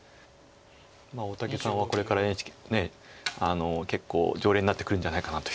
大竹さんはこれからＮＨＫ結構常連になってくるんじゃないかなという。